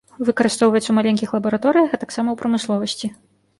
Выкарыстоўваецца ў маленькіх лабараторыях, а таксама ў прамысловасці.